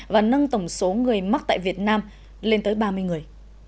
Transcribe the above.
và nâng tổng số người mắc tại việt nam lên tới ba mươi người